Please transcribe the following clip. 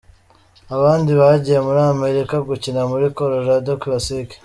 Abandi bagiye muri Amerika gukina muri Colorado Classic.